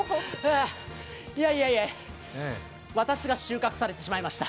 いやいやいや私が収穫されてしまいました。